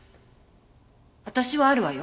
私はあるわよ。